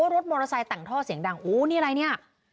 รถมอเตอร์ไซค์แต่งท่อเสียงดังอู้นี่อะไรเนี่ย